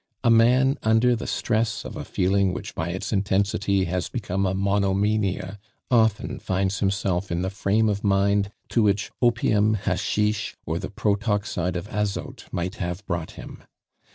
A man under the stress of a feeling which by its intensity has become a monomania, often finds himself in the frame of mind to which opium, hasheesh, or the protoxyde of azote might have brought him.